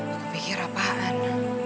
aku pikir apaan